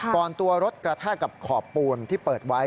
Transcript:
ตัวรถกระแทกกับขอบปูนที่เปิดไว้